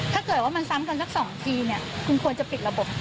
ถ้าเกิดว่ามันซ้ำกันสัก๒ทีเนี่ยคุณควรจะปิดระบบ